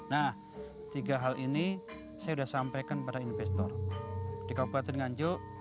nah tiga hal ini saya sudah sampaikan kepada investor di kabupaten nganjuk